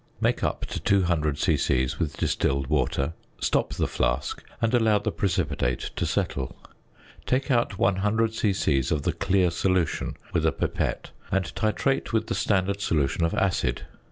Make up to 200 c.c. with distilled water, stop the flask, and allow the precipitate to settle. Take out 100 c.c. of the clear solution with a pipette, and titrate with the standard solution of acid.